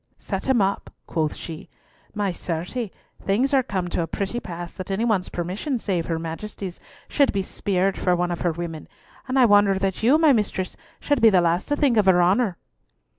"Set him up!" quoth she. "My certie, things are come to a pretty pass that any one's permission save her Majesty's should be speired for one of her women, and I wonder that you, my mistress, should be the last to think of her honour!"